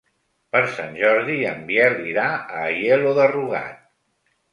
Per Sant Jordi en Biel irà a Aielo de Rugat.